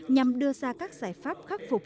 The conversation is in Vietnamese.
nhằm đưa ra các giải pháp khắc phục